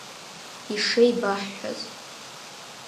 Ишеибаҳҳәаз.